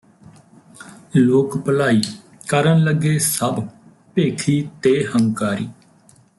ਲੋਕ ਭਲਾਈ ਕਰਨ ਲੱਗੇ ਸਭ ਭੇਖੀ ਤੇ ਹੰਕਾਰੀ